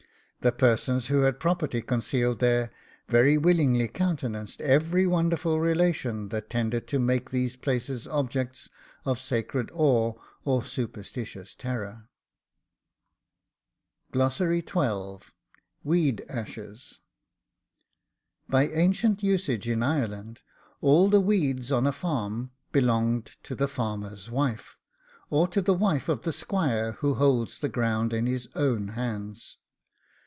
The persons who had property concealed there, very willingly countenanced every wonderful relation that tended to make these places objects of sacred awe or superstitious terror. WEED ASHES. By ancient usage in Ireland, all the weeds on a farm belonged to the farmer's wife, or to the wife of the squire who holds the ground in his own hands.